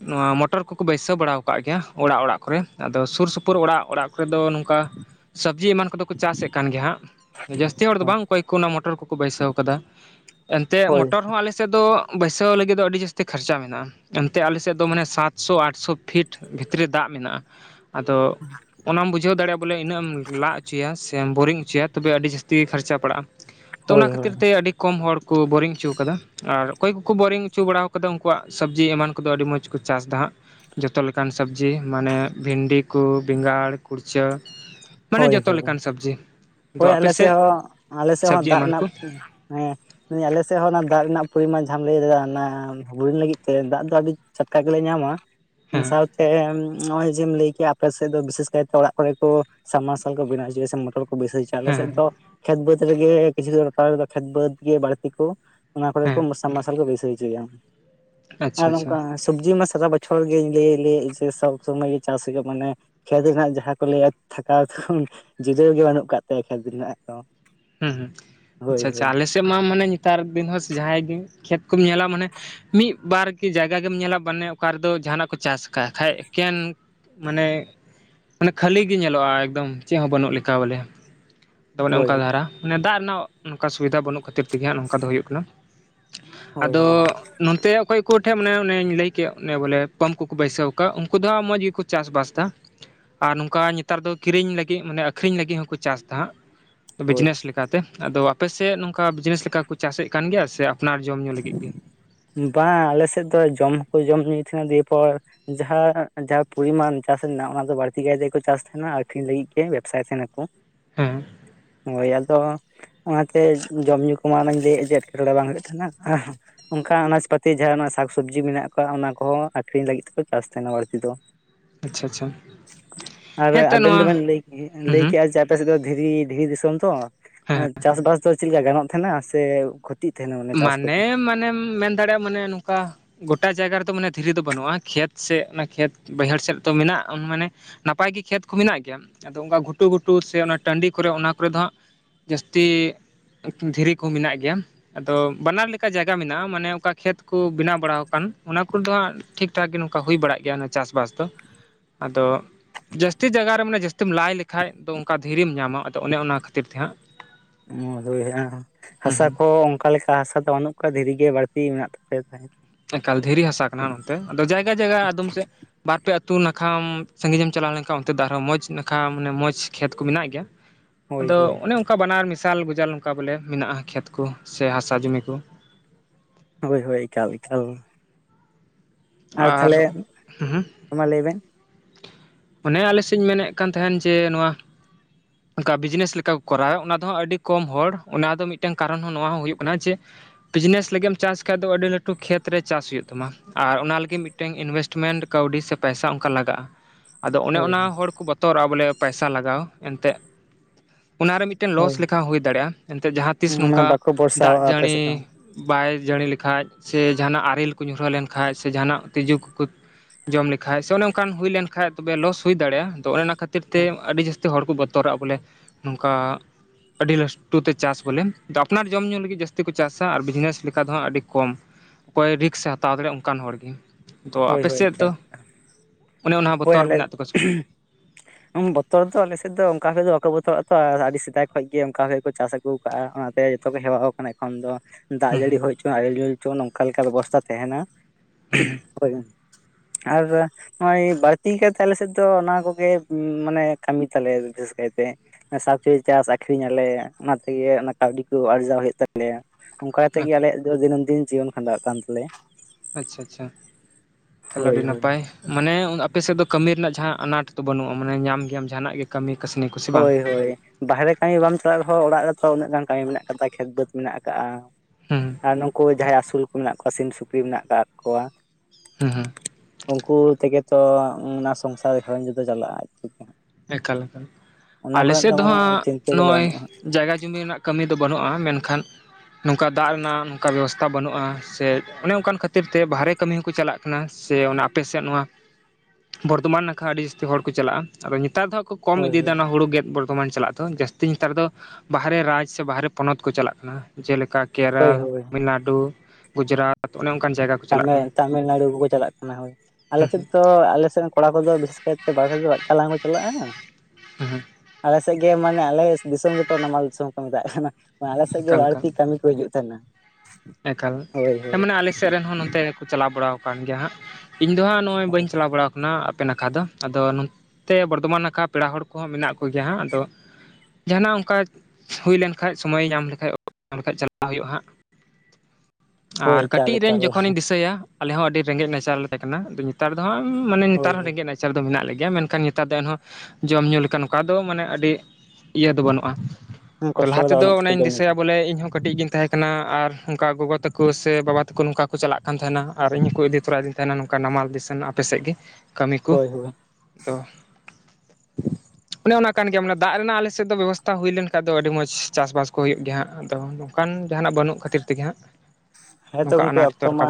ᱱᱚᱣᱟ ᱢᱚᱴᱚᱨ ᱠᱚᱠᱚ ᱵᱟᱹᱭᱥᱟᱹᱣ ᱵᱟᱲᱟ ᱟᱠᱟᱜ ᱜᱮᱭᱟ ᱚᱲᱟᱜ ᱚᱲᱟᱜ ᱠᱚᱨᱮ ᱟᱫᱚ ᱥᱩᱨ ᱥᱩᱯᱩᱨ᱾ [unintelligible] ᱚᱲᱟᱜ ᱚᱲᱟᱜ ᱠᱚᱨᱮ ᱫᱚ ᱱᱚᱝᱠᱟ ᱥᱟᱵᱽᱡᱤ ᱮᱢᱟᱱ ᱠᱚᱫᱚ ᱠᱚ ᱪᱟᱥ ᱮᱫ ᱠᱟᱱ ᱜᱮᱭᱟ ᱦᱟᱸᱜ᱾ ᱡᱟᱹᱥᱛᱤ ᱦᱚᱲ ᱫᱚ ᱦᱳᱭ ᱵᱟᱝ ᱚᱠᱚᱭ ᱠᱚ ᱚᱱᱟ ᱢᱚᱴᱚᱨ ᱠᱚᱠᱚ ᱵᱟᱹᱭᱥᱟᱹᱣ ᱠᱟᱫᱟ ᱮᱱᱛᱮᱫ ᱦᱳᱭ ᱢᱚᱴᱚᱨ ᱦᱚᱸ ᱟᱞᱮᱥᱮᱫ ᱫᱚ᱾ ᱵᱟᱹᱭᱥᱟᱹᱣ ᱞᱟᱹᱜᱤᱫ ᱫᱚ ᱟᱹᱰᱤ ᱡᱟᱹᱥᱛᱤ ᱠᱷᱟᱨᱪᱟ ᱢᱮᱱᱟᱜᱼᱟ ᱮᱱᱛᱮ ᱟᱞᱮᱥᱮᱫ ᱫᱚ ᱢᱟᱱᱮ ᱥᱟᱛᱥᱚ ᱟᱴᱥᱚ ᱯᱷᱤᱴ᱾ ᱵᱷᱤᱛᱨᱤ ᱨᱮ ᱫᱟᱜ ᱢᱮᱱᱟᱜᱼᱟ᱾ ᱟᱫᱚ ᱚᱱᱟᱢ ᱵᱩᱡᱷᱟᱹᱣ ᱫᱟᱲᱮᱭᱟᱜᱼᱟ ᱵᱚᱞᱮ ᱤᱱᱟᱹᱜ ᱮᱢ ᱞᱟᱜ ᱪᱚᱭᱟ ᱥᱮᱢ ᱵᱳᱨᱤᱝ ᱪᱚᱭᱟ ᱛᱚᱵᱮ ᱟᱹᱰᱤ ᱡᱟᱹᱥᱛᱤ᱾ [unintelligible] ᱠᱷᱟᱨᱪᱟ ᱯᱟᱲᱟᱜᱼᱟ ᱛᱚ ᱦᱳᱭ ᱚᱱᱟ ᱠᱷᱟᱹᱛᱤᱨ ᱛᱮ ᱟᱹᱰᱤ ᱠᱚᱢ ᱦᱚᱲ ᱠᱚ ᱵᱳᱨᱤᱝ ᱪᱚ ᱟᱠᱟᱫᱟ ᱟᱨ᱾ ᱚᱠᱚᱭ ᱠᱚᱠᱚ ᱵᱳᱨᱤᱝ ᱪᱚ ᱵᱟᱲᱟ ᱟᱠᱟᱫᱟ ᱩᱱᱠᱩᱣᱟᱜ ᱥᱚᱵᱽᱡᱤ ᱮᱢᱟᱱ ᱠᱚᱫᱚ ᱟᱹᱰᱤ ᱢᱚᱡ ᱠᱚ ᱪᱟᱥᱫᱟ ᱦᱟᱸᱜ᱾ ᱡᱚᱛᱚ ᱞᱮᱠᱟᱱ ᱥᱚᱵᱽᱡᱤ ᱢᱟᱱᱮ ᱵᱷᱤᱱᱰᱤ ᱠᱚ ᱵᱮᱸᱜᱟᱲ᱾ ᱠᱩᱲᱪᱟᱹ ᱢᱟᱱᱮ ᱦᱳᱭ ᱡᱚᱛᱚ ᱦᱳᱭ ᱞᱮᱠᱟᱱ ᱥᱚᱵᱡᱤ᱾ ᱦᱳᱭ ᱟᱞᱮ ᱥᱮᱫ ᱦᱚᱸ ᱟᱞᱮ ᱥᱮᱫ ᱦᱚᱸ ᱫᱟᱜᱽ ᱮᱢᱟᱱ ᱠᱚ ᱨᱮᱱᱟᱜ ᱟᱞᱮᱥᱮᱫ ᱦᱚᱸ ᱚᱱᱟ ᱫᱟᱜᱽ ᱨᱮᱱᱟᱜ ᱯᱚᱨᱤᱢᱟᱱ ᱡᱟᱦᱟᱸᱢ ᱞᱟᱹᱭ ᱫᱟ ᱚᱱᱚ ᱵᱩᱨᱤᱧ ᱞᱟᱹᱜᱤᱫ ᱛᱮ ᱫᱟᱜᱽ ᱫᱚ ᱟᱹᱰᱤ ᱴᱟᱴᱠᱟ ᱜᱮᱞᱮ ᱧᱟᱢᱟ᱾ ᱦᱮᱸ ᱥᱟᱶᱛᱮ ᱱᱚᱜᱼᱚᱭ ᱡᱮᱢ ᱞᱟᱹᱭ ᱠᱮᱭᱟ ᱟᱯᱮ ᱥᱮᱫ ᱫᱚ ᱵᱤᱥᱮᱥ ᱠᱟᱭᱛᱮ ᱚᱲᱟᱜ ᱠᱚᱨᱮ ᱠᱚ ᱥᱟᱵᱢᱟᱨᱥᱟᱞ ᱠᱚ ᱵᱮᱱᱟ ᱚᱪᱟᱲᱭᱟ ᱥᱮ ᱢᱚᱴᱚᱨ ᱠᱚ ᱵᱟᱹᱭᱥᱟᱹᱣ ᱪᱚᱭᱟ ᱟᱞᱮ ᱦᱮᱸ ᱥᱮᱫ ᱫᱚ ᱠᱷᱮᱛ ᱵᱟᱹᱫᱽ ᱨᱮᱜᱮ ᱠᱤᱪᱷᱩ ᱱᱮᱛᱟᱨ ᱫᱚ ᱠᱷᱮᱛ ᱵᱟᱹᱫᱽ ᱜᱮ ᱵᱟᱹᱲᱛᱤ ᱠᱚ᱾ ᱚᱱᱟ ᱠᱚᱨᱮ ᱠᱚ ᱦᱮᱸ ᱢᱟᱵᱢᱟᱨᱥᱟᱞ ᱠᱚ ᱵᱟᱹᱭᱫᱟᱹᱣ ᱪᱚᱭᱟ ᱟᱪᱪᱷᱟ ᱟᱨ ᱟᱪᱪᱷᱟ ᱱᱚᱝᱠᱟ᱾ ᱥᱚᱵᱽᱡᱤ ᱢᱟ ᱥᱟᱨᱟ ᱵᱚᱪᱷᱚᱨ ᱜᱮᱤᱧ ᱞᱟᱹᱭᱮ ᱞᱟᱹᱭᱮ ᱥᱮ ᱥᱟᱨᱟ ᱵᱚᱪᱷᱚᱨ ᱢᱟ ᱤᱭᱟᱹ ᱪᱟᱥ ᱦᱩᱭᱩᱜᱼᱟ ᱢᱟᱱᱮ᱾ ᱠᱷᱮᱛ ᱨᱮᱱᱟᱜ ᱡᱟᱦᱟ ᱠᱚ ᱞᱟᱹᱭᱟ ᱛᱷᱟᱠᱟᱣ ᱡᱤᱨᱟᱹᱣ ᱜᱮ ᱵᱟᱹᱱᱩᱜ ᱠᱟᱫ ᱛᱟᱭᱟ ᱠᱷᱮᱛ ᱨᱮᱱᱟᱜ ᱫᱚ᱾ ᱦᱚᱸ ᱦᱚᱸ ᱦᱳᱭ ᱟᱪᱷᱟ ᱟᱪᱷᱟ ᱦᱳᱭ ᱟᱞᱮᱥᱮᱫ ᱢᱟ ᱢᱟᱱᱮ ᱱᱮᱛᱟᱨ ᱫᱤᱱ ᱦᱚᱸ ᱡᱟᱦᱟᱸᱭ ᱜᱮ ᱠᱷᱮᱛ᱾ ᱠᱚᱢ ᱧᱮᱞᱟ ᱢᱟᱱᱮ ᱢᱤ᱾ ᱵᱟᱨ ᱠᱤ ᱡᱟᱭᱜᱟ ᱜᱮᱢ ᱧᱮᱞᱟ ᱢᱟᱱᱮ ᱚᱠᱟ ᱨᱮᱫᱚ ᱡᱟᱦᱟᱱᱟᱜ ᱠᱚ ᱪᱟᱥ ᱟᱠᱟ ᱠᱷᱟᱭ ᱮᱠᱮᱱ᱾ ᱢᱟᱱᱮ ᱠᱷᱟᱹᱞᱤ ᱜᱮ ᱧᱮᱞᱚᱜᱼᱟ ᱮᱠᱫᱚᱢ ᱪᱮᱫ ᱦᱚᱸ ᱵᱟᱹᱱᱩᱜ ᱞᱮᱠᱟ ᱵᱚᱞᱮ᱾ [unintelligible] ᱦᱳᱭ ᱚᱱᱠᱟ ᱫᱷᱟᱨ ᱢᱟᱱᱮ ᱫᱟᱜ ᱨᱮᱱᱟᱜ ᱚᱱᱠᱟ ᱥᱩᱵᱤᱫᱷᱟ ᱵᱟᱹᱱᱩᱜ ᱠᱷᱟᱹᱛᱤᱨ ᱛᱮᱜᱮ ᱚᱱᱠᱟ ᱫᱚ ᱦᱩᱭᱩᱜ ᱠᱟᱱᱟ᱾ ᱦᱳᱭ ᱟᱫᱚ᱾ ᱦᱳᱭ ᱱᱚᱛᱮ ᱚᱠᱚᱭ ᱠᱚ ᱴᱷᱮᱱ ᱢᱟᱱᱮ ᱚᱱᱮᱧ ᱞᱟᱹᱭ ᱠᱮᱫ ᱚᱱᱮ ᱵᱚᱞᱮ ᱯᱟᱢᱯ ᱠᱚᱠᱚ ᱵᱟᱹᱭᱥᱟᱹᱣ ᱟᱠᱟᱫ ᱩᱱᱠᱩ ᱫᱚ ᱦᱟᱸᱜ ᱢᱚᱡᱽ ᱜᱮᱠᱚ ᱪᱟᱥᱵᱟᱥ ᱫᱟ᱾ ᱟᱨ ᱱᱚᱝᱠᱟ ᱱᱮᱛᱟᱨ ᱫᱚ ᱠᱤᱨᱤᱧ ᱞᱟᱹᱜᱤᱫ ᱢᱟᱱᱮ ᱟᱠᱷᱨᱤᱧ ᱞᱟᱹᱜᱤᱫ ᱦᱚᱸᱠᱚ ᱪᱟᱥ ᱫᱟ ᱦᱟᱸᱜ᱾ ᱦᱳᱭ ᱵᱤᱡᱽᱱᱮᱥ ᱞᱮᱠᱟᱛᱮ ᱟᱫᱚ ᱟᱯᱮᱥᱮᱫ ᱱᱚᱝᱠᱟ ᱵᱤᱡᱽᱱᱮᱥ ᱞᱮᱠᱟ ᱠᱚ ᱪᱟᱥᱮᱫ ᱠᱟᱱ ᱜᱮᱭᱟ ᱥᱮ ᱟᱯᱱᱟᱨ ᱡᱚᱢ ᱧᱩ ᱞᱟᱹᱜᱤᱫ ᱜᱮ ᱵᱟᱝ ᱟᱞᱮᱥᱮᱫ ᱫᱚ ᱡᱚᱢ ᱦᱚᱸᱠᱚ ᱡᱚᱢ ᱧᱩᱭᱮᱫ ᱛᱟᱦᱮᱱᱟ ᱫᱤᱭᱮᱯᱚᱨ ᱡᱟᱦᱟᱸ ᱡᱟᱦᱟᱸ ᱯᱚᱨᱤᱢᱟᱱ ᱪᱟᱥ ᱨᱮᱱᱟᱜ ᱚᱱᱟ ᱫᱚ ᱵᱟᱹᱲᱛᱤ ᱠᱟᱭᱛᱮᱠᱚ ᱪᱟᱥ ᱛᱟᱦᱮᱱᱟ ᱟᱠᱷᱨᱤᱧ ᱞᱟᱹᱜᱤᱫ ᱜᱮ ᱵᱮᱵᱥᱟᱭ ᱛᱟᱦᱮᱱᱟᱠᱚ ᱠᱚ ᱦᱮᱸ ᱦᱳᱭ ᱟᱫᱚ ᱚᱱᱟᱛᱮ ᱡᱚᱢᱧᱩ ᱠᱚᱢᱟ ᱚᱱᱟᱧ ᱞᱟᱹᱭᱮᱫ ᱡᱮ ᱮᱴᱠᱮᱴᱚᱬᱮ ᱵᱟᱝ ᱦᱩᱭᱩᱜ ᱛᱟᱦᱮᱱᱟ ᱦᱚᱸ ᱦᱚᱸ ᱚᱱᱠᱟ ᱟᱱᱟᱡᱽ ᱯᱟᱛᱤ ᱡᱟᱦᱟᱸᱱᱟᱸᱜ ᱥᱟᱠᱥᱚᱵᱽᱡᱤ ᱢᱮᱱᱟᱜ ᱠᱚᱣᱟ ᱚᱱᱟ ᱠᱚᱦᱚᱸ ᱟᱠᱷᱨᱤᱧ ᱞᱟᱹᱜᱤᱫ ᱛᱮᱠᱚ ᱪᱟᱥ ᱛᱟᱦᱮᱱᱟ ᱵᱟᱹᱲᱛᱤ ᱫᱚ᱾ ᱟᱪᱪᱷᱟ ᱟᱪᱪᱷᱟ ᱟᱨ ᱦᱮᱸ ᱛᱚ ᱟᱵᱮᱱ ᱱᱚᱣᱟ ᱫᱚᱵᱮᱱ ᱞᱟᱹᱭ ᱦᱩᱸ ᱞᱟᱹᱭ ᱦᱩᱸ ᱠᱮᱫᱮᱜᱼᱟ ᱡᱮ ᱟᱯᱮ ᱥᱮᱫ ᱫᱚ ᱫᱷᱤᱨᱤ ᱫᱷᱤᱨᱤ ᱫᱤᱥᱚᱢ ᱛᱚ ᱦᱮᱸ ᱪᱟᱥᱵᱟᱥ ᱫᱚ ᱪᱮᱫ ᱞᱮᱠᱟ ᱜᱟᱱᱚᱜ ᱛᱟᱦᱮᱱᱟ ᱥᱮ ᱠᱷᱚ ᱛᱤᱜ ᱛᱟᱦᱮᱱᱟ ᱢᱟᱱ ᱪᱟᱥ ᱠᱚᱫᱚ ᱱᱮᱸ ᱢᱟᱱᱮᱢ ᱢᱮᱱ ᱫᱟᱲᱮᱭᱟᱜᱼᱟ ᱢᱟᱱᱮ ᱱᱚᱝᱠᱟ ᱜᱚᱴᱟ ᱡᱟᱭᱜᱟ ᱨᱮᱫᱚ ᱢᱟᱱᱮ ᱫᱷᱤᱨᱤ ᱫᱚ ᱵᱟᱹᱱᱩᱜᱼᱟ ᱠᱷᱮᱛ ᱥᱮᱫ ᱚᱱᱟ ᱠᱷᱮᱛ ᱵᱟᱹᱭᱦᱟᱹᱲ ᱥᱮᱫ ᱫᱚ ᱢᱮᱱᱟᱜ ᱢᱟᱱᱮ ᱱᱟᱯᱟᱭ ᱜᱮ ᱠᱷᱮᱛ ᱠᱚ ᱢᱮᱱᱟᱜ ᱜᱮᱭᱟ ᱟᱫᱚ ᱚᱱᱠᱟ ᱜᱷᱩᱴᱩ ᱜᱷᱩᱴᱩ ᱥᱮ ᱚᱱᱟ ᱴᱟᱺᱰᱤ ᱠᱚᱨᱮ ᱚᱱᱟ ᱠᱚᱨᱮ ᱫᱚ ᱦᱟᱸᱜ ᱡᱟᱹᱥᱛᱤ ᱫᱷᱤᱨᱤ ᱠᱚ ᱢᱮᱱᱟᱜ ᱜᱮᱭᱟ ᱟᱫᱚ ᱵᱟᱱᱟᱨ ᱞᱮᱠᱟ ᱡᱟᱭᱜᱟ ᱢᱮᱱᱟᱜᱼᱟ ᱢᱟᱱᱮ ᱚᱠᱟ ᱠᱷᱮᱛ ᱠᱚ ᱵᱮᱱᱟᱣ ᱵᱟᱲᱟ ᱟᱠᱟᱱ ᱚᱱᱟ ᱠᱚᱫᱚ ᱦᱟᱸᱜ ᱴᱷᱤᱠᱴᱷᱟᱠ ᱜᱮ ᱱᱚᱝᱠᱟ ᱦᱩᱭ ᱵᱟᱲᱟᱜ ᱜᱮᱭᱟ ᱚᱱᱟ ᱪᱟᱥᱵᱟᱥ ᱫᱚ ᱟᱫᱚ ᱡᱟᱹᱥᱛᱤ ᱡᱟᱭᱜᱟ ᱨᱮ ᱢᱟᱱᱮ ᱡᱟᱹᱥᱛᱤᱢ ᱞᱟᱭ ᱞᱮᱠᱷᱟᱡ ᱫᱚ ᱚᱱᱠᱟ ᱫᱷᱤᱨᱤᱢ ᱧᱟᱢᱟ ᱟᱫᱚ ᱚᱱᱮ ᱚᱱᱟ ᱠᱷᱟᱹᱛᱤᱨ ᱛᱮᱦᱟᱸᱜ [unintelligible] ᱦᱟᱥᱟ ᱦᱩᱸ ᱠᱚ ᱚᱱᱠᱟ ᱞᱮᱠᱟ ᱦᱟ ᱦᱟᱥᱟ ᱫᱚ ᱵᱟᱹᱱᱩᱜ ᱠᱚᱣᱟ ᱫᱷᱤᱨᱤ ᱜᱮ ᱵᱟᱹᱲᱛᱤ ᱢᱮᱱᱟᱜ ᱛᱟᱯᱮ ᱛᱟᱦᱮᱸᱫ ᱮᱠᱟᱞ ᱫᱷᱤᱨᱤ ᱦᱟᱥᱟ ᱠᱟᱱᱟ ᱱᱚᱛᱮ ᱟᱫᱚ ᱡᱟᱭᱜᱟ ᱡᱟᱭᱜᱟ ᱟᱫᱚᱢ ᱥᱮᱫ ᱵᱟᱨ ᱯᱮ ᱟᱹᱛᱩ ᱱᱟᱠᱷᱟᱢ ᱥᱟᱺᱜᱤᱧᱮᱢ ᱪᱟᱞᱟᱣ ᱞᱮᱱᱠᱷᱟᱱ ᱚᱱᱛᱮ ᱫᱚ ᱟᱨᱦᱚᱸ ᱢᱚᱸᱡᱽ ᱱᱟᱠᱷᱟ ᱢᱟᱱᱮ ᱢᱚᱸᱡᱽ ᱠᱷᱮᱛ ᱠᱚ ᱢᱮᱱᱟᱜ ᱜᱮᱭᱟ [inaudible] ᱟᱫᱚ ᱦᱳᱭ ᱚᱱᱮ ᱚᱱᱠᱟ ᱵᱟᱱᱟᱨ ᱢᱮᱥᱟᱞ ᱜᱡᱟᱞ ᱚᱱᱠᱟ ᱵᱚᱞᱮ ᱢᱮᱱᱟᱜᱼᱟ ᱠᱷᱮᱛ ᱠᱚ ᱥᱮ ᱦᱟᱥᱟ ᱡᱩᱢᱤ ᱠᱚ ᱦᱳᱭ ᱦᱳᱭ ᱮᱠᱟᱞ ᱮᱠᱟᱞ ᱟᱨ ᱛᱟᱦᱚᱞᱮ ᱦᱩᱸ ᱢᱟ ᱞᱟᱹᱭ ᱵᱮᱱ ᱢᱟᱱᱮ ᱟᱞᱮ ᱥᱮᱫ ᱤᱧ ᱢᱮᱱᱮᱫ ᱠᱟᱱ ᱛᱟᱦᱮᱱ ᱡᱮ ᱱᱚᱣᱟ [inaudible] ᱚᱱᱠᱟ ᱵᱤᱡᱽᱱᱮᱥ ᱞᱮᱠᱟ ᱠᱚ ᱠᱚᱨᱟᱣᱟ ᱚᱱᱟ ᱫᱚ ᱦᱟᱸᱜ ᱟᱹᱰᱤ ᱠᱚᱢ ᱦᱚᱲ ᱚᱱᱟ ᱫᱚ ᱢᱤᱫᱴᱮᱱ ᱠᱟᱨᱚᱱ ᱦᱚᱸ ᱱᱚᱣᱟ ᱦᱚᱸ ᱦᱩᱭᱩᱜ ᱠᱟᱱᱟ ᱡᱮ ᱵᱤᱡᱽᱱᱮᱥ ᱞᱟᱹᱜᱤᱫ ᱮᱢ ᱪᱟᱥ ᱠᱷᱟᱡᱽ ᱫᱚ ᱟᱹᱰᱤ ᱞᱟᱹᱴᱩ ᱠᱷᱮᱛ ᱨᱮ ᱪᱟᱥ ᱦᱩᱭᱩᱜ ᱛᱟᱢᱟ ᱟᱨ ᱚᱱᱟ ᱞᱟᱹᱜᱤᱫ ᱢᱤᱫᱴᱮᱱ ᱤᱱᱵᱷᱮᱥᱴᱢᱮᱱᱴ ᱠᱟᱹᱣᱰᱤ ᱥᱮ ᱯᱚᱭᱥᱟ ᱚᱱᱠᱟ ᱞᱟᱜᱟᱜᱼᱟ᱾ ᱟᱫᱚ ᱚᱱᱮ ᱦᱳᱭ ᱚᱱᱟ ᱦᱚᱲ ᱠᱚ ᱵᱚᱛᱚᱨᱚᱜᱼᱟ ᱵᱚᱞᱮ ᱯᱟᱭᱥᱟ ᱞᱟᱜᱟᱣ ᱮᱱᱛᱮᱫ ᱚᱱᱟᱨᱮ ᱢᱤᱫᱴᱮᱱ ᱞᱚᱥ ᱦᱳᱭ ᱞᱮᱠᱟ ᱦᱚᱸᱦᱩᱭ ᱫᱟᱲᱮᱭᱟᱜᱼᱟ ᱮᱱᱛᱮᱫ ᱡᱟᱦᱟᱸ ᱛᱤᱥ ᱢᱟᱱᱮ ᱱᱚᱝᱠᱟ ᱵᱟᱠᱚ ᱫᱟᱜᱽ ᱵᱷᱚᱨᱥᱟᱣᱟᱜᱼᱟ ᱟᱯᱮ ᱡᱟᱹᱲᱤ ᱥᱮᱫ ᱫᱚ ᱵᱟᱭ ᱡᱟᱹᱲᱤ ᱞᱮᱠᱷᱟᱡᱽ ᱥᱮ ᱡᱟᱦᱟᱱᱟᱜ ᱟᱨᱮᱞ ᱠᱚ ᱧᱩᱨᱦᱟᱹ ᱞᱮᱱᱠᱷᱟᱡᱽ ᱥᱮ ᱡᱟᱦᱟᱱᱟᱜ ᱛᱸᱤᱡᱩ ᱠᱚᱠᱚ ᱡᱚᱢ ᱞᱮᱠᱷᱟᱡᱽ ᱥᱮ ᱚᱱᱮ ᱚᱱᱠᱟᱱ ᱦᱩᱭ ᱞᱮᱱᱠᱷᱟᱡᱽ ᱛᱚᱵᱮ ᱞᱚᱥ ᱦᱩᱭ ᱫᱟᱲᱮᱭᱟᱜᱼᱟ ᱚᱱᱮ ᱚᱱᱟ ᱠᱷᱟᱹᱛᱤᱨ ᱛᱮ ᱟᱹᱰᱤ ᱡᱟᱹᱥᱛᱤ ᱡᱛᱮ ᱦᱚᱲ ᱠᱚ ᱵᱚᱛᱚᱨᱟᱜᱼᱟ ᱵᱚᱞᱮ ᱱᱚᱝᱠᱟ ᱟᱹᱰᱤ ᱞᱟᱹᱥᱴᱩ ᱛᱮ ᱪᱟᱥ ᱵᱚᱞᱮ ᱟᱯᱱᱟᱨ ᱡᱚᱢ ᱧᱩ ᱞᱟᱹᱜᱤᱫ ᱡᱟᱹᱥᱛᱤ ᱠᱚ ᱪᱟᱥᱟ ᱟᱨ ᱵᱤᱡᱽᱱᱮᱥ ᱞᱮᱠᱟ ᱫᱚ ᱦᱟᱸᱜ ᱟᱹᱰᱤ ᱠᱚᱢ, ᱚᱠᱚᱭ ᱨᱤᱠᱥ ᱮ ᱦᱟᱛᱟᱣ ᱫᱟᱲᱮᱭᱟᱜᱼᱟ ᱚᱱᱠᱟᱱ ᱦᱚᱲᱜᱮ ᱛᱚ ᱦᱳᱭ ᱦᱳᱭ ᱟᱯᱮᱥᱮᱫ ᱫᱚ ᱮᱠᱟᱞ ᱮᱠᱟᱞ ᱚᱱᱮ ᱚᱱᱟ, ᱦᱳᱭ ᱵᱚᱛᱚᱨ ᱟᱞᱮ ᱢᱮᱱᱟᱜ ᱛᱟᱠᱚᱣᱟ ᱥᱮ ᱵᱟᱝ ᱵᱚᱛᱚᱨ ᱫᱚ ᱟᱞᱮᱥᱮᱫ ᱫᱚ ᱚᱱᱠᱟ ᱫᱚ ᱵᱟᱠᱚ ᱵᱚᱛᱚᱨᱚᱜ ᱟ ᱛᱚ ᱟᱹᱰᱤ ᱥᱮᱫᱟᱭ ᱠᱷᱚᱱ ᱜᱮ ᱚᱱᱠᱟ ᱠᱚ ᱪᱟᱥ ᱟᱜ ᱟᱹᱜᱩ ᱠᱟᱜᱼᱟ ᱚᱱᱟᱛᱮ ᱡᱚᱛᱚ ᱜᱮ ᱦᱮᱣᱟ ᱟᱠᱟᱱᱟ ᱮᱠᱷᱚᱱ ᱫᱚ ᱫᱟᱜᱽ ᱦᱩᱸ ᱡᱟᱹᱲᱤ ᱦᱩᱭ ᱦᱚᱪᱚ ᱟᱨᱮᱞ ᱧᱩᱞᱪᱚ ᱱᱚᱝᱠᱟ ᱞᱮᱠᱟ ᱵᱮᱵᱚᱥᱛᱟ ᱛᱟᱦᱮᱱᱟ ᱦᱩᱸ ᱦᱩᱸ [unintelligible] ᱟᱨ ᱱᱚᱜᱼᱚᱭ ᱵᱟᱹᱲᱛᱤ ᱠᱟᱭᱛᱮ ᱟᱞᱮᱥᱮᱫ ᱫᱚ ᱚᱱᱟ ᱠᱚᱜᱮ ᱢᱟᱱᱮ ᱠᱟᱹᱢᱤ ᱛᱟᱞᱮ ᱵᱮᱥ ᱠᱟᱭᱛᱮ ᱥᱟᱺᱵᱡᱤ ᱪᱟᱥ ᱟᱠᱷᱨᱤᱧ ᱟᱞᱮ ᱚᱱᱟᱛᱮᱜᱮ ᱚᱱᱟ ᱠᱟᱹᱣᱰᱤ ᱠᱚ ᱟᱨᱡᱟᱣ ᱦᱩᱭᱩᱜ ᱛᱟᱞᱮᱭᱟ᱾ ᱛᱟᱞᱮᱭᱟ ᱚᱱᱠᱟ ᱠᱟᱛᱮᱜ ᱦᱩᱸ ᱜᱮ ᱟᱞᱮᱭᱟᱜ ᱫᱚ ᱫᱤᱱᱟᱹᱢ ᱫᱤᱱ ᱡᱤᱭᱚᱱ ᱠᱷᱟᱸᱰᱟᱜ ᱠᱟᱱ ᱛᱟᱞᱮᱭᱟ ᱟᱪᱪᱷᱟ ᱟᱪᱪᱷᱟ ᱛᱟᱦᱚᱞᱮ ᱟᱹᱰᱤ ᱦᱳᱭ ᱦᱳᱭ ᱱᱟᱯᱟᱭ ᱢᱟᱱᱮ ᱟᱯᱮᱥᱮᱫ ᱫᱚ ᱠᱟᱹᱢᱤ ᱨᱮᱱᱟᱜ ᱡᱟᱦᱟᱸ ᱟᱱᱟᱴ ᱛᱚ ᱵᱟᱹᱱᱩᱜᱼᱟ ᱢᱟᱱᱮ ᱧᱟᱢ ᱜᱮᱭᱟᱢ ᱡᱟᱦᱟᱱᱟᱜ ᱜᱮ, ᱠᱟᱹᱢᱤ ᱠᱟᱥᱱᱤ ᱠᱩ ᱦᱳᱭ ᱦᱳᱭ ᱵᱟᱦᱨᱮ ᱠᱟᱹᱢᱤ ᱵᱟᱢ ᱪᱟᱞᱟᱜ ᱨᱮᱦᱚᱸ ᱚᱲᱟᱜ ᱨᱮᱛᱚ ᱩᱱᱟᱹᱜ ᱜᱟᱱ ᱠᱟᱹᱢᱤ ᱢᱮᱱᱟᱜ ᱟᱠᱟᱫᱟ ᱠᱷᱮᱛ ᱵᱟᱹᱫᱽ ᱢᱮᱱᱟᱜ ᱟᱠᱟᱫᱟ ᱦᱩᱸ ᱟᱨ ᱱᱩᱠᱩ ᱡᱟᱦᱟᱸᱭ ᱟᱹᱥᱩᱞ ᱠᱚ ᱢᱮᱱᱟᱜ ᱠᱚᱣᱟ ᱥᱤᱢ ᱥᱩᱠᱨᱤ ᱢᱮᱱᱟᱜ ᱟᱠᱟᱫ ᱠᱚᱣᱟ ᱦᱩᱸ ᱦᱩᱸ ᱩᱱᱠᱩ ᱛᱮᱜᱮ ᱛᱚ ᱚᱱᱟ ᱥᱚᱝᱥᱟᱨ ᱜᱷᱟᱨᱚᱸᱧ ᱨᱮ ᱫᱚ ᱪᱟᱞᱟᱜᱼᱟ ᱟᱡ ᱛᱮᱜᱮ ᱮᱠᱟᱞ ᱟᱠᱟᱱᱟ ᱚᱱᱟ ᱠᱚᱨᱮᱱᱟᱜ ᱟᱞᱮᱥᱮᱫ ᱫᱚ ᱢᱟᱱᱮ ᱦᱟᱸᱜ ᱪᱤᱱᱛᱟᱹ ᱠᱚᱫᱚ ᱱᱚᱜᱼᱚᱭ ᱵᱟᱹᱱᱩᱜᱼᱟ ᱡᱟᱭᱜᱟ ᱡᱚᱢᱤ ᱨᱮᱱᱟᱜ ᱠᱟᱹᱢᱤ ᱫᱚ ᱵᱟᱹᱱᱩᱜᱼᱟ ᱢᱮᱱᱠᱷᱟᱱ ᱱᱚᱝᱠᱟ ᱫᱟᱜ ᱨᱮᱱᱟᱜ ᱱᱚᱝᱠᱟ ᱵᱮᱵᱚᱥᱛᱟ ᱵᱟᱹᱱᱩᱜᱼᱟ ᱥᱮ ᱚᱱᱮ ᱚᱱᱠᱟᱱ ᱠᱷᱟᱹᱛᱤᱨ ᱛᱮ ᱵᱟᱨᱦᱮ ᱠᱟᱹᱢᱤ ᱦᱚᱸᱠᱚ ᱪᱟᱞᱟᱜ ᱠᱟᱱᱟ ᱚᱱᱟ ᱥᱮ ᱚᱱᱟ ᱟᱯᱮᱮᱥᱭᱟᱜ ᱱᱚᱣᱟ ᱵᱚᱨᱛᱚᱢᱟᱱ ᱱᱟᱠᱷᱟ ᱟᱹᱰᱤ ᱡᱟᱹᱥᱛᱤ ᱦᱚᱲ ᱠᱚ ᱪᱟᱞᱟᱜᱼᱟ ᱟᱫᱚ ᱱᱮᱛᱟᱨ ᱫᱚ ᱦᱟᱜ ᱠᱚᱢ ᱦᱳᱭ ᱤᱫᱤᱭᱟ ᱦᱳᱭ ᱚᱱᱟ ᱦᱩᱲᱩ ᱜᱮᱫ ᱵᱚᱞ ᱵᱚᱨᱛᱚᱢᱟᱱ ᱪᱟᱞᱟᱜ ᱫᱚ ᱡᱟᱹᱥᱛᱤ ᱱᱮᱛᱟᱨ ᱫᱚ ᱵᱟᱨᱦᱮ ᱨᱟᱡᱽ ᱥᱮ ᱵᱟᱨᱦᱮ ᱯᱚᱱᱚᱛ ᱠᱚ ᱪᱟᱞᱟᱜ ᱠᱟᱱᱟ ᱡᱮᱞᱮᱠᱟ ᱦᱳᱭ ᱠᱮᱨᱚᱞ ᱦᱳᱭ ᱛᱟᱢᱤᱞᱱᱟᱲᱩ ᱜᱩᱡᱽᱨᱟᱴ, ᱚᱱᱮ ᱚᱱᱠᱟᱱ ᱡᱟᱭᱜᱟ ᱠᱚ ᱛᱟᱢ ᱪᱟᱞᱟᱜ ᱠᱟᱱᱟ ᱛᱟᱹᱢᱤᱞᱱᱟᱹᱲᱩ ᱠᱚᱠᱚ ᱪᱟᱞᱟᱜ ᱠᱟᱱᱟ ᱦᱳᱭ ᱟᱞᱮ ᱥᱮᱫ ᱫᱚ ᱟᱞᱮ ᱥᱮᱫ ᱠᱚᱲᱟ ᱠᱚᱫᱚ ᱵᱤᱥᱮᱥ ᱠᱟᱭᱛᱮ ᱵᱟᱨᱦ ᱥᱮᱫ ᱫᱚᱠᱟᱞᱟᱝ ᱠᱚ ᱪᱟᱞᱟᱜᱼᱟ ᱟᱞ, ᱦᱮᱸ ᱟᱞᱮ ᱥᱮᱫ ᱜᱮ ᱢᱟᱱᱮ ᱟᱞᱮ ᱫᱤᱥᱚᱢ ᱜᱮᱛᱚ ᱱᱟᱢᱟᱞ ᱫᱤᱥᱚᱢ ᱠᱚ ᱢᱮᱛᱟᱜ ᱠᱟᱱᱟ ᱢᱟᱱ ᱟᱞᱮ ᱥᱮᱫ ᱜᱮ ᱮᱠᱟᱞ ᱮᱠᱟᱞ ᱵᱟᱹᱲᱛᱤ ᱠᱟᱹᱢᱤ ᱠᱚ ᱦᱤᱡᱩᱜ ᱛᱟᱦᱮᱱᱟ, ᱮᱠᱟᱞ ᱦᱳᱭ ᱦᱮᱸ ᱦᱳᱭ ᱢᱟᱱᱮ ᱟᱞᱮ ᱥᱮᱫ ᱨᱮᱱ ᱦᱚᱸ ᱱᱚᱛᱮ ᱠᱚ ᱪᱟᱞᱟᱣ ᱵᱟᱲᱟ ᱟᱠᱟᱱ ᱜᱮᱭᱟ ᱦᱟᱸᱜ ᱤᱧ ᱫᱚ ᱦᱟᱸᱜ [unintelligible] ᱵᱟᱧ ᱪᱟᱞᱟ ᱵᱟᱲᱟ ᱚᱱᱟ ᱟᱯᱮ ᱱᱟᱠᱷᱟ ᱫᱚ ᱟᱫᱚ ᱱᱚᱛᱮ ᱵᱚᱨᱫᱷᱚᱢᱟᱱ ᱱᱟᱠᱷᱟ ᱯᱮᱲᱟ ᱦᱚᱲ ᱠᱚᱦᱚᱸ ᱢᱮᱱᱟᱜ ᱠᱚᱜᱮᱭᱟ ᱦᱟᱸᱜ ᱟᱫᱚ ᱡᱟᱦᱟᱱᱟᱜ ᱚᱱᱠᱟ ᱦᱩᱭ ᱞᱮᱱᱠᱟᱱ ᱥᱚᱢᱚᱭ ᱧᱟᱢ ᱞᱮᱠᱟᱱᱡ ᱧ ᱞᱮᱠᱟᱱ ᱪᱟᱞᱟᱣ ᱦᱩᱭᱩᱜᱼᱟ ᱦᱟᱸᱜ ᱦᱳᱭ ᱟᱨ ᱮᱠᱟᱞ ᱠᱟᱹᱴᱤᱡ ᱨᱮᱧ ᱮᱠᱟᱞ ᱡᱚᱠᱷᱚᱱᱤᱧ ᱫᱤᱥᱟᱹᱭᱟ ᱟᱞᱮ ᱦᱚᱸ ᱟᱹᱰᱤ ᱨᱮᱸᱜᱮᱡ ᱱᱟᱪᱟᱨᱟᱞᱞᱮ ᱠᱟᱱᱟ ᱟᱫᱚ ᱱᱮᱛᱟᱨ ᱫᱚᱦ ᱢᱟᱱᱮ ᱱᱮᱛᱟᱨ ᱦᱳᱭ ᱦᱚᱸ ᱨᱮᱸᱜᱮᱡ ᱱᱟᱪᱟᱨ ᱪᱟᱨ ᱫᱚ ᱢᱮᱱᱟᱜ ᱞᱮᱜᱮᱭᱟ ᱢᱮᱱᱠᱷᱟᱱ ᱱᱮᱛᱟᱨ ᱫᱚ ᱮᱱᱦᱚᱸ ᱡᱚᱢᱼ ᱧᱩ ᱞᱮᱠᱟᱱ ᱱᱚᱝᱠᱟ ᱫᱚ ᱢᱟᱱᱮ ᱟᱹᱰᱤ ᱤᱭᱟᱹ ᱫᱚ ᱵᱟᱹᱱᱩᱜᱼᱟ ᱦᱳᱭ ᱟᱫᱚ ᱠᱚᱥᱴᱚ ᱞᱟᱦᱟ ᱠᱚᱫᱚ ᱛᱮᱫᱚ ᱵᱟᱹᱱᱩᱜ ᱛᱟᱯᱮ ᱚᱱᱟᱧ ᱡᱚᱢ ᱧᱩ ᱫᱤᱥᱟᱹᱭᱟ ᱫᱚ ᱵᱚᱞᱮ ᱤᱧᱦᱚᱸ ᱠᱟᱹᱴᱤᱡ ᱜᱤᱧ ᱛᱟᱦᱮᱸ ᱠᱟᱱᱟ ᱟᱨ ᱱᱚᱝᱠᱟ ᱜᱚᱜᱚ ᱛᱟᱠᱚ ᱥᱮ ᱵᱟᱵᱟ ᱛᱟᱠᱚ ᱱᱚᱝᱠᱟ ᱠᱚ ᱪᱟᱞᱟᱜ ᱠᱟᱱ ᱛᱟᱦᱮᱱᱟ ᱟᱨ ᱤᱧ ᱦᱚᱸᱠᱚ ᱤᱫᱤ ᱛᱚᱨᱟᱭᱮᱫᱤᱧ ᱛᱟᱦᱮᱱᱟ ᱱᱚᱝᱠᱟ ᱱᱟᱢᱟᱞ ᱫᱤᱥᱚᱢ ᱟᱯᱮ ᱥᱮᱫ ᱜᱮ ᱠᱟᱹᱢᱤ ᱠᱚ ᱦᱳᱭ ᱦᱳᱭ ᱫᱚ ᱚᱱᱮ ᱚᱱᱟ ᱠᱟᱱ ᱜᱮᱭᱟ ᱢᱟᱱᱮ ᱫᱟᱜ ᱨᱮᱱᱟᱜ ᱟᱞᱮ ᱥᱮᱫ ᱫᱚ ᱵᱮᱵᱚᱥᱛᱷᱟ ᱦᱩᱭ ᱞᱮᱱᱠᱷᱟᱱᱡ ᱫᱚ ᱟᱹᱰᱤ ᱢᱚᱸᱡᱽ ᱪᱟᱥᱵᱟᱥ ᱠᱚ ᱦᱩᱭᱩᱜ ᱜᱮᱭᱟ ᱦᱟᱸᱜ ᱟᱫᱚ ᱠᱟᱱ ᱡᱟᱦᱟᱱᱟᱜ ᱵᱟᱹᱱᱩᱜ ᱠᱷᱟᱹᱛᱤᱨ ᱛᱮᱜᱮ ᱦᱟᱸᱜ ᱦᱮᱸᱛᱚ ᱱᱚᱝᱠᱟ ᱜᱚᱝᱠᱮ ᱟᱱᱟᱴ ᱫᱚ ᱚᱠᱛᱚ ᱨᱟᱠᱟᱵ ᱢᱟ